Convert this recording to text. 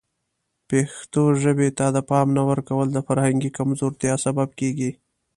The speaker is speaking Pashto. پښتو ژبې ته د پام نه ورکول د فرهنګي کمزورتیا سبب کیږي.